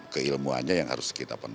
keilmuannya yang harus kita